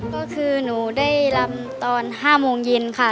ก็คือหนูได้ลำตอน๕โมงเย็นค่ะ